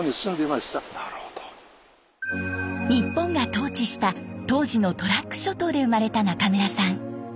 日本が統治した当時のトラック諸島で生まれた中村さん。